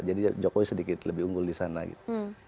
jadi jokowi sedikit lebih unggul di sana gitu